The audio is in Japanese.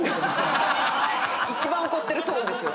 一番怒ってるトーンですよ